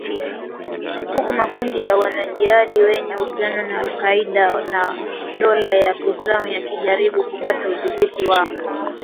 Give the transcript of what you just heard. huku makundi ya wanajihadi yenye uhusiano na al-Qaeda na na dola ya Kiislamu yakijaribu kupata udhibiti wa